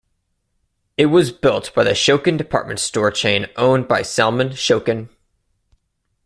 It was built by the Schocken department store chain owned by Salman Schocken.